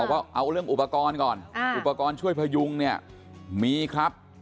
ว่าเอาเรื่องอุปกรณ์ก่อนอุปกรณ์ช่วยพยุงเนี่ยมีครับ